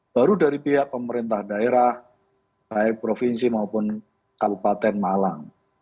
baru dari pihak pemerintah daerah baik provinsi maupun kabupaten malang